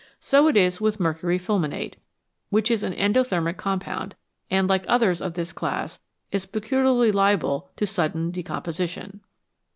So it is with mercury fulminate, which is an endothermic compound, and, like others of this class, is peculiarly liable to sudden decomposition.